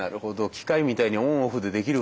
機械みたいにオンオフでできるわけでは。